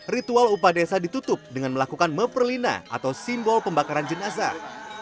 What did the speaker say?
ritual upah desa ditutup dengan melakukan meperlina atau simbol pembakaran jenazah